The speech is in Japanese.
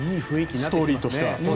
ストーリーとしては。